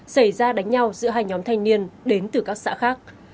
xảy ra đánh nhau giữa hai nhóm thanh niên đến từ các xã khác